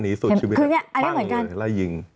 หนีสุดชีวิตให้ปั้งเลยไล่ยิง